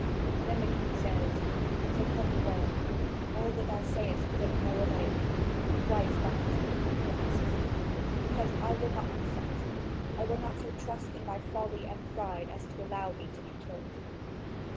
Then the king says: "So help me God, all that thou sayest is of no avail." "Why is that?" he asks. "Because I will not consent. I will not so trust in thy folly and pride as to allow thee to be killed.